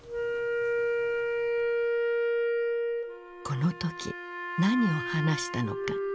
この時何を話したのか？